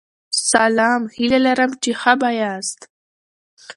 سلام هیله لرم چی ښه به یاست